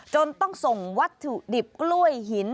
จนต้องส่งวัตถุดิบกล้วยหิน